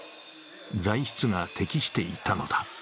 材質が適していたのだ。